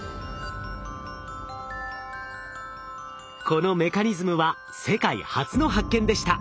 このメカニズムは世界初の発見でした。